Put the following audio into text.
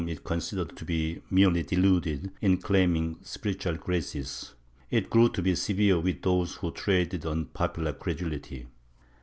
V] IMPOSTORS 81 considered to be merely deluded in claiming spiritual graces, it grew to be severe with those who traded on popular credulity.